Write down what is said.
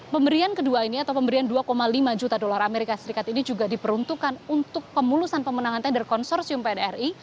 pemberian kedua ini atau pemberian dua lima juta dolar as ini juga diperuntukkan untuk pemulusan pemenangan tender konsorsium pnri